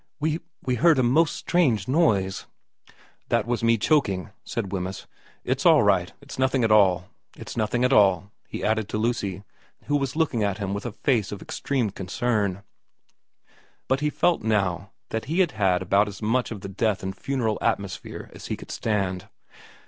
' We heard a most strange noise '' That was me choking,' said Wemyss. ' It's all right it's nothing at all,' he added to Lucy, who was looking at him with a face of extreme concern. But he felt now that he had had about as much of the death and funeral atmosphere as he could stand.